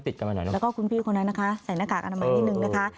แล้วก็คุณพี่คนนั้นนะคะใส่หน้ากากอนามัยนิดนึงนะคะ